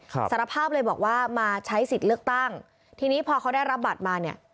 สารภาพเลยบอกว่ามาใช้สิทธิ์เลือกตั้งทีนี้พอเขาได้รับบัตรมาเนี่ย